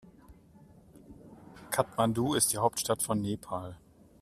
Kathmandu ist die Hauptstadt von Nepal.